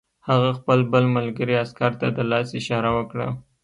هغه خپل بل ملګري عسکر ته د لاس اشاره وکړه